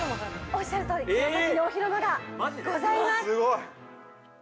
◆おっしゃるとおりこの先に大広間がございます！